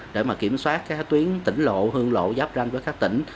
để mà kiểm soát các cái tuyến tỉnh lộ hương lộ giáp ranh của các tỉnh